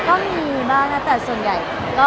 ก็มีบ้างนะแต่ส่วนใหญ่